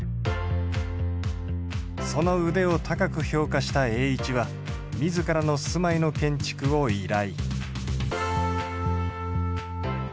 その腕を高く評価した栄一は自らの住まいの建築を依頼。